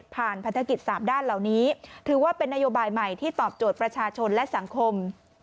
พันธกิจ๓ด้านเหล่านี้ถือว่าเป็นนโยบายใหม่ที่ตอบโจทย์ประชาชนและสังคม